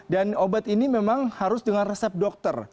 dan obat ini memang harus dengan resep dokter